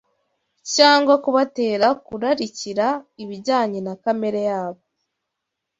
cyangwa kubatera kurarikira ibijyanye na kamere yabo